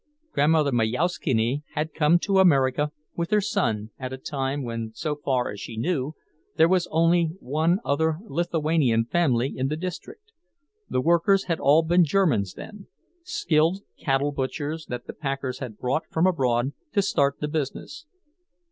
Grandmother Majauszkiene had come to America with her son at a time when so far as she knew there was only one other Lithuanian family in the district; the workers had all been Germans then—skilled cattle butchers that the packers had brought from abroad to start the business.